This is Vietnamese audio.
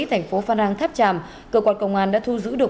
thành phố phan rang tháp tràm cơ quan công an đã thu giữ được